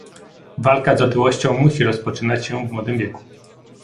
Walka z otyłością musi rozpoczynać się w młodym wieku